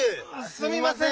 すみません！